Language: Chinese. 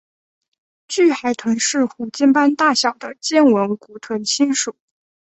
巨海豚是虎鲸般大小的剑吻古豚亲属。